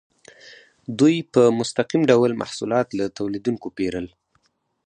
دوی په مستقیم ډول محصولات له تولیدونکو پیرل.